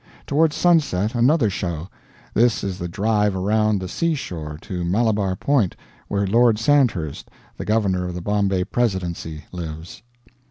Toward sunset another show; this is the drive around the sea shore to Malabar Point, where Lord Sandhurst, the Governor of the Bombay Presidency, lives.